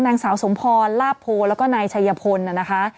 นางสาวสมพรลาบโพแล้วก็นายชัยพลนะคะ